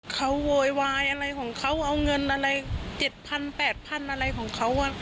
เขาโวยวายอะไรของเขาเอาเงินอะไร๗๐๐๘๐๐อะไรของเขา